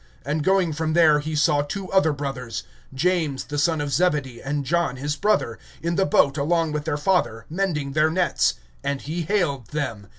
(21)And going on from thence, he saw other two brothers, James the son of Zebedee, and John his brother, in the ship with Zebedee their father, mending their nets; and he called them.